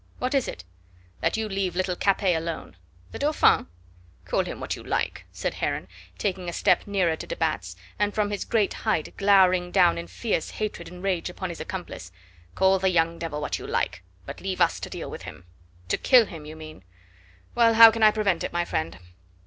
"What is it?" "That you leave little Capet alone." "The Dauphin!" "Call him what you like," said Heron, taking a step nearer to de Batz, and from his great height glowering down in fierce hatred and rage upon his accomplice; "call the young devil what you like, but leave us to deal with him." "To kill him, you mean? Well, how can I prevent it, my friend?"